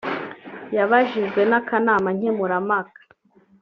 yabajijwe n’akanama nkemurampaka